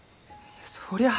そりゃあ。